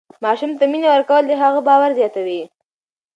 ماشوم ته مینه ورکول د هغه باور زیاتوي.